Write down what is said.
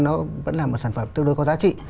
nó vẫn là một sản phẩm tương đối có giá trị